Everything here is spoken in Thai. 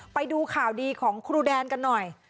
ไปดูข่าวดีของครูแดนกันหน่อย